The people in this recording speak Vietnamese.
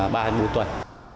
bao nhiêu tuần